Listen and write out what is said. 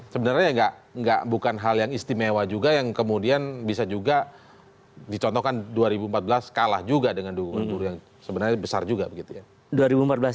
sebenarnya bukan hal yang istimewa juga yang kemudian bisa juga dicontohkan dua ribu empat belas kalah juga dengan dukungan buruh yang sebenarnya besar juga begitu ya